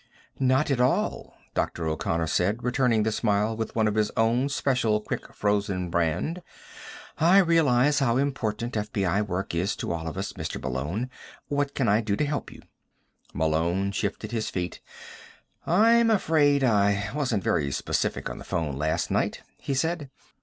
"Not at all," Dr. O'Connor said, returning the smile with one of his own special quick frozen brand. "I realize how important FBI work is to all of us, Mr. Malone. What can I do to help you?" Malone shifted his feet. "I'm afraid I wasn't very specific on the phone last night," he said.